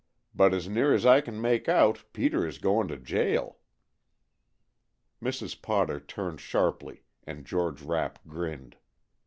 But as near as I can make out Peter is goin' to jail." Mrs. Potter turned sharply and George Rapp grinned.